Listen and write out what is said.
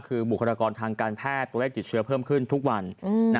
คือบุคลากรทางการแพทย์ตัวเลขติดเชื้อเพิ่มขึ้นทุกวัน